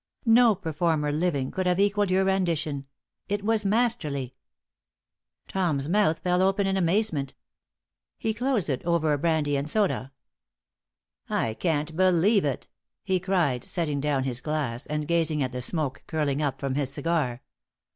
No performer living could have equaled your rendition. It was masterly." Tom's mouth fell open in amazement. He closed it over a brandy and soda. "I can't believe it," he cried, setting down his glass and gazing at the smoke curling up from his cigar.